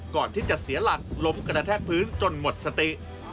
ก่อนที่จะเสียหลักล้มกระแทกพื้นจนหมดสติ